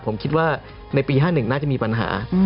ผมคิดว่าในปี๕๑น่าจะมีปัญหา